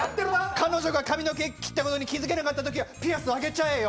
彼女が髪を切ったことに気が付けなかった時はピアスをあげちゃえよ。